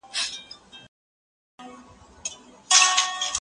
په اخره کي يوسف عليه السلام وروڼو ته وويل.